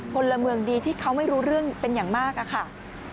พลเมืองดีที่เขาไม่รู้เรื่องเป็นอย่างมากอะค่ะ